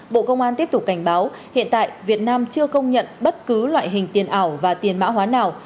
bộ công an tiếp tục cảnh báo hiện tại việt nam chưa công nhận bất cứ loại hình tiền ảo và tiền mã hóa nào